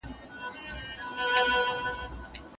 ښکاري هره ورځ څلور پنځه ټاکلې